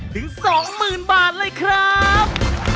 ถึง๒๐๐๐บาทเลยครับ